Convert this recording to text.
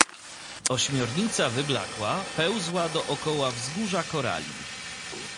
Ośmiornica wyblakła pełzła dookoła wzgórza korali.